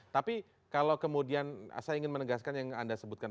tapi kalau kemudian saya ingin menegaskan yang anda sebutkan